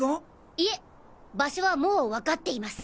いえ場所はもうわかっています。